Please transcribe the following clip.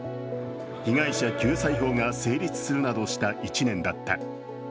被害者救済法が成立するなどした１年だった。